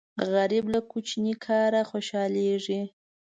غریب له کوچني کاره خوشاليږي